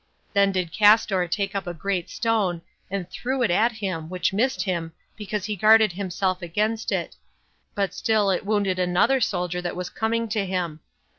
Then did Castor take up a great stone, and threw it at him, which missed him, because he guarded himself against it; but still it wounded another soldier that was coming to him.